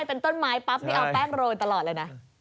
เป็นต้นไม้ปั๊บนี่เอาแป้งโรยตลอดเลยนะ